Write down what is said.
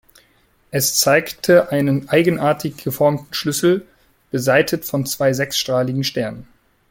Es zeigte einen eigenartig geformten Schlüssel, beseitet von zwei sechsstrahligen Sternen.